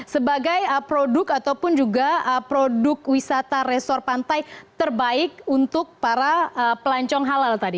sebagai produk ataupun juga produk wisata resor pantai terbaik untuk para pelancong halal tadi